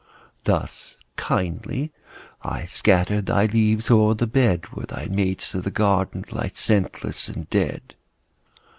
Thus kindly I scatter Thy leaves o'er the bed, Where thy mates of the garden Lie scentless and dead.